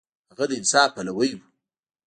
هغه د انصاف پلوی و.